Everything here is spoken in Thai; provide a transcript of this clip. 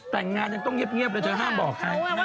แต่งงานยังต้องเงียบเลยเธอห้ามบอกใคร